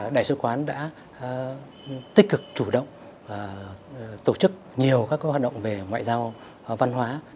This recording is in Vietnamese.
đại sứ quán đã tích cực chủ động tổ chức nhiều các hoạt động về ngoại giao văn hóa